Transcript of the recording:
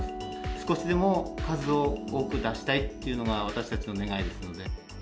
少しでも数を多く出したいっていうのが、私たちの願いですので。